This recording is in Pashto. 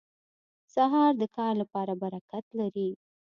سهار د کار لپاره برکت لري.